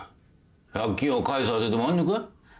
借金を返す当てでもあんのか？